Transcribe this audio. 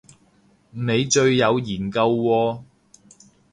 你最有研究喎